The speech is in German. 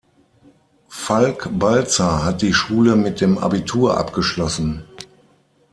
Falk Balzer hat die Schule mit dem Abitur abgeschlossen.